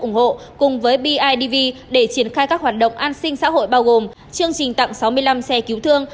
ủng hộ cùng với bidv để triển khai các hoạt động an sinh xã hội bao gồm chương trình tặng sáu mươi năm xe cứu thương